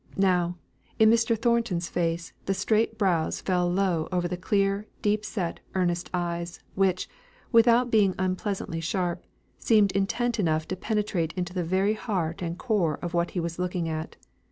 Now, in Mr. Thornton's face the straight brows fell low over the clear, deep set, earnest eyes, which without being unpleasantly sharp, seemed intent enough to penetrate into the very heart and core of what he was looking at.